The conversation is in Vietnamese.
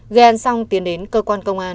ghen xong tiến đến cơ quan công an